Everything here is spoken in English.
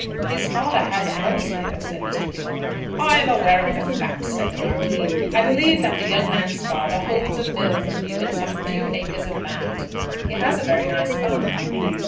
"His father has a house here," said Mr. Gilmore. "I am aware of the fact," said the Marquis. "I believe that the young man's father holds a mill from you, and some few acres of land?" "He has a very nice farm."